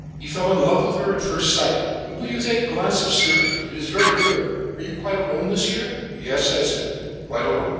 He fell in love with her at first sight. But you will take a glass of sirup? it is very good. Are you quite alone, this year?" "Yes," I said, "quite alone."